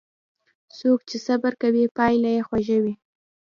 څوک چې صبر کوي، پایله یې خوږه وي.